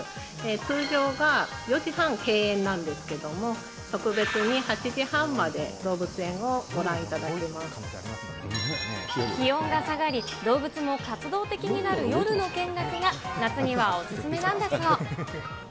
通常が４時半閉園なんですけれども、特別に８時半まで動物園をご気温が下がり、動物も活動的になる夜の見学が、夏にはお勧めなんだそう。